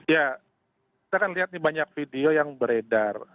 ya kita kan lihat nih banyak video yang beredar